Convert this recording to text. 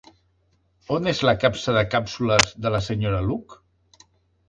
On és la capsa de càpsules de la Sra. Luke?